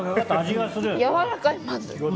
やわらかい、まず。